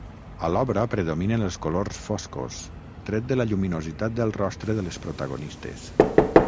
A l'obra predominen els colors foscos, tret de la lluminositat del rostre de les protagonistes.